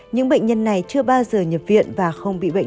những bệnh nhân này chưa bao giờ nhập viện và không bị bệnh